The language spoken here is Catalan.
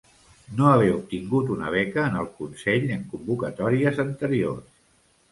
No haver obtingut una beca en el Consell en convocatòries anteriors.